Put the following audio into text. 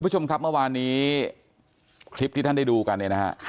คุณผู้ชมครับเมื่อวานนี้คลิปที่ท่านได้ดูกันเนี่ยนะฮะ